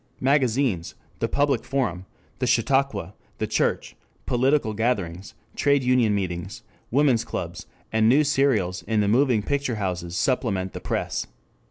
Magazines, the public forum, the chautauqua, the church, political gatherings, trade union meetings, women's clubs, and news serials in the moving picture houses supplement the press.